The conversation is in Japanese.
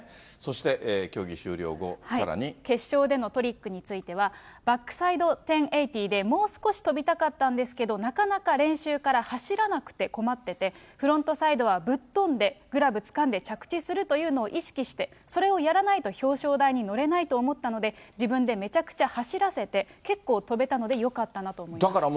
決勝でのトリックについては、バックサイド１０８０で、もう少し飛びたかったんですけど、なかなか練習から走らなくて困ってて、フロントサイドはぶっ飛んで、グラブつかんで着地するというのを意識して、それをやらないと表彰台に乗れないと思ったので、自分でめちゃくちゃ走らせて、結構飛べたのでよかったなと思います。